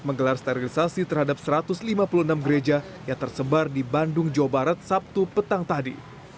menggelar sterilisasi terhadap satu ratus lima puluh enam gereja yang tersebar di bandung jawa barat sabtu petang tadi